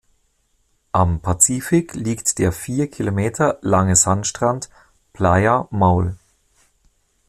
Am Pazifik liegt der vier km lange Sandstrand "Playa Maule".